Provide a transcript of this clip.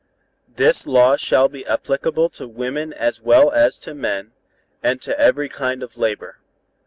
"This law shall be applicable to women as well as to men, and to every kind of labor.